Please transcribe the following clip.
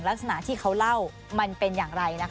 ลักษณะที่เขาเล่ามันเป็นอย่างไร